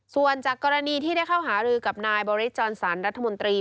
ส่วนจากกรณีที่ได้เข้าหารือกับนายบริสจรสันรัฐมนตรี